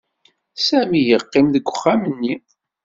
Sami yeqqim deg uxxam-nni.